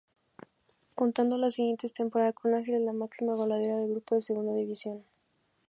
Contando la siguiente temporada con Ángeles, la máxima goleadora del grupo de Segunda división.